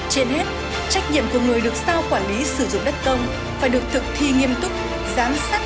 trên hết trách nhiệm của người được sao quản lý sử dụng đất công phải được thực thi nghiêm túc giám sát